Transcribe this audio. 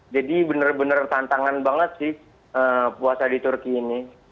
jadi bener bener tantangan banget sih puasa di turki ini